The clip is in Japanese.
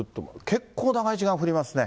結構長い時間降りますね。